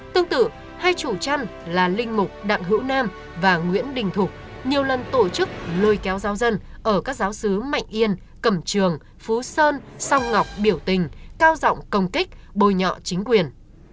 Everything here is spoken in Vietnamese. tương tự hai chủ chăn là linh mục đặng hữu nam và nguyễn đình thục nhiều lần tổ chức lôi kéo giáo dân ở các giáo sứ mệnh yên cẩm trường phú sơn song ngọc biểu tình cao giọng công kích bồi nhọ chính quyền